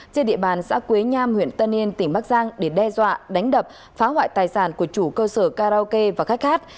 trên địa bàn xã quế nham huyện tân yên tỉnh bắc giang để đe dọa đánh đập phá hoại tài sản của chủ cơ sở karaoke và khách hát